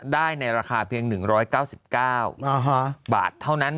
ได้ในราคาเพียง๑๙๙บาทเท่านั้น